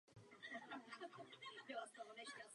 Zcela jasně je to zveličený problém.